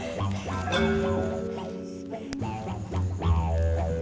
sini sih jauh jauh banget